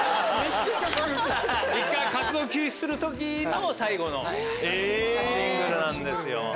活動休止する時の最後のシングルなんです。